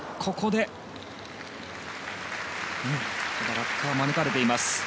落下は免れています。